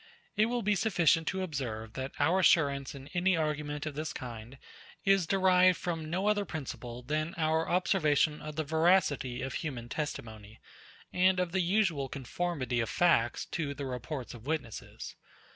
It will be sufficient to observe that our assurance in any argument of this kind is derived from no other principle than our observation of the veracity of human testimony, and of the usual conformity of facts to the reports of witnesses.